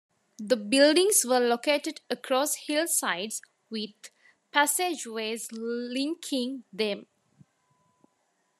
The buildings were located across hillsides, with passageways linking them.